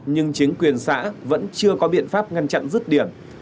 nhưng chính quyền xã vẫn chưa có biện pháp ngăn chặn rứt điểm